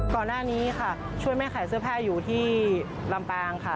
ก่อนหน้านี้ค่ะช่วยแม่ขายเสื้อผ้าอยู่ที่ลำปางค่ะ